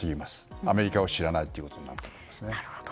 アメリカを知らないということになると思いますね。